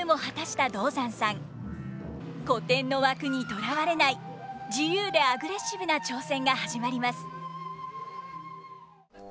古典の枠にとらわれない自由でアグレッシブな挑戦が始まります。